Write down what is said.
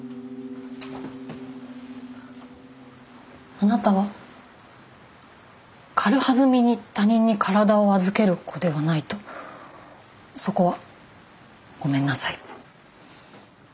あなたは軽はずみに他人に体を預ける子ではないとそこはごめんなさい。